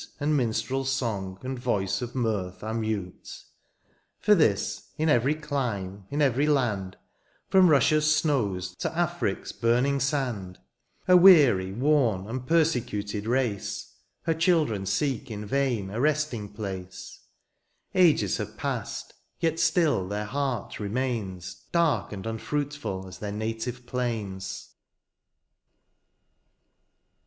And minstreFs song, and voice of mirth, are mute ; For this, in every clime, in every land. From Russians snows to Afric^s burning sand, A weary, worn, and persecuted race. Her children seek in vain a resting place : Ages have passed, yet still their heart remains Dark and unfruitful as their native plains.